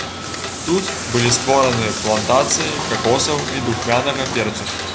Тут былі створаны плантацыі какосаў і духмянага перцу.